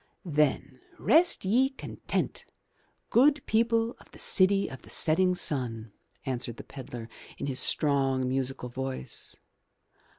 "Then rest ye content, good people of the city of the setting sun," answered the pedlar, in his strong, musical voice.